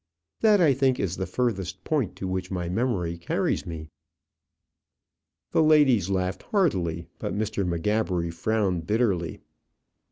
That, I think, is the furthest point to which my memory carries me." The ladies laughed heartily, but Mr. M'Gabbery frowned bitterly.